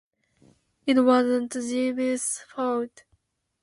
It wasn't Jeeves's fault.